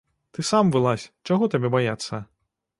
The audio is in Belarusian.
Ты сам вылазь, чаго табе баяцца?